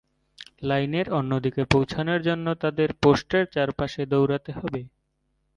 লাইনের অন্যদিকে পৌঁছানোর জন্য তাদের পোস্টের চারপাশে দৌড়াতে হবে।